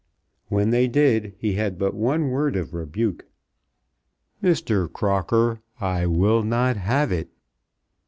When they did, he had but one word of rebuke. "Mr. Crocker, I will not have it."